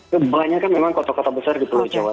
kebanyakan memang kota kota besar di pulau jawa